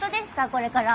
これから。